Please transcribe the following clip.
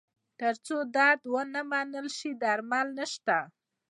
تر څو درد ومنل نه شي، درمل نشته.